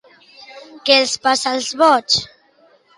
Què els passa als boigs?